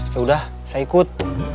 yaudah saya ikut